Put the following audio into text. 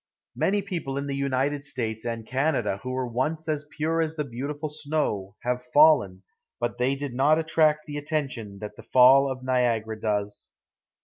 Many people in the United States and Canada who were once as pure as the beautiful snow, have fallen, but they did not attract the attention that the fall of Niagara does.